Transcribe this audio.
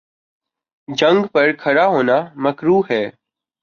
جگہ پر کھڑا ہونا مکروہ ہے۔